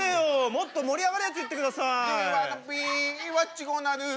もっと盛り上がるやついってください。